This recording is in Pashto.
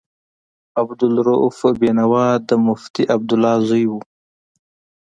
عبدالرؤف بېنوا د مفتي عبدالله زوی و.